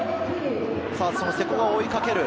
瀬古が追いかける。